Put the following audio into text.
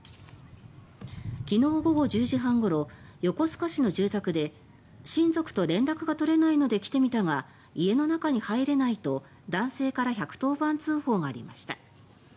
昨日午後１０時半ごろ横須賀市の住宅で親族と連絡が取れないので来てみたが家の中に入れないと男性から１１０番通報がありました。